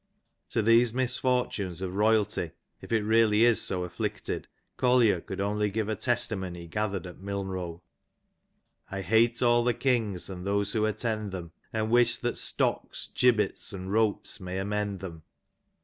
To these misfortunes of royalty, if it really is so afflicted, OoUier could only give a testimony gathered at Milnrow. I hate all the kings and those who attend them, And wish that stocks, gibbets and ropes may amend them.